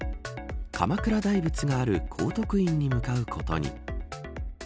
鎌倉大仏がある高徳院に向かうことに。